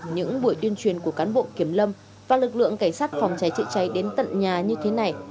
những buổi tuyên truyền của cán bộ kiểm lâm và lực lượng cảnh sát phòng cháy chữa cháy đến tận nhà như thế này